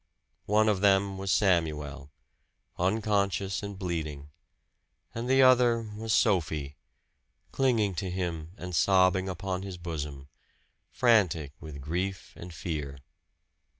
One of them was Samuel, unconscious and bleeding; and the other was Sophie, clinging to him and sobbing upon his bosom, frantic with grief and fear.